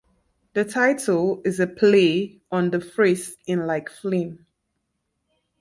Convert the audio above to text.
The title is a play on the phrase in like Flynn.